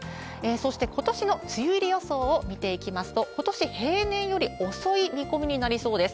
そして、ことしの梅雨入り予想を見ていきますと、ことし、平年より遅い見込みになりそうです。